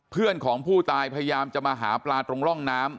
เพื่อนของผู้ตายพยายามจะมาหาปลาตรงร่องน้ำ